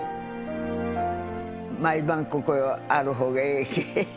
毎晩、ここにあるほうがええけ。